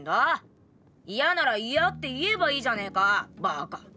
嫌なら嫌って言えばいいじゃねえかバカ。